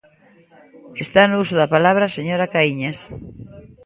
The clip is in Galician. Está no uso da palabra a señora Caíñas.